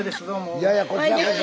いやいやこちらこそ。